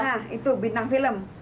hah itu bintang film